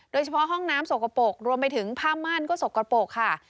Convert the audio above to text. โดยเฉพาะห้องน้ำสกปรกรวมไปถึงผ้าม่านก็สกปรกค่ะ